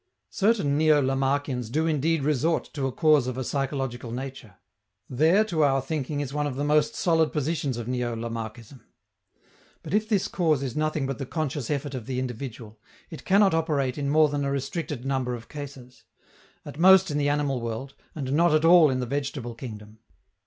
Certain neo Lamarckians do indeed resort to a cause of a psychological nature. There, to our thinking, is one of the most solid positions of neo Lamarckism. But if this cause is nothing but the conscious effort of the individual, it cannot operate in more than a restricted number of cases at most in the animal world, and not at all in the vegetable kingdom.